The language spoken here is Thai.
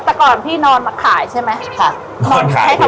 แต่ก่อนพี่นอนมาขายใช่ไหม